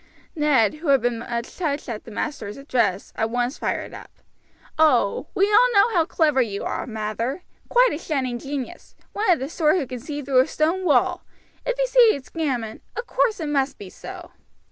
Ned, who had been much touched at the master's address, at once fired up: "Oh! we all know how clever you are, Mather quite a shining genius, one of the sort who can see through a stone wall. If you say it's gammon, of course it must be so."